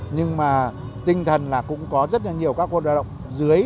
nhưng mà tinh thần là cũng có rất nhiều các quân hoạt động dưới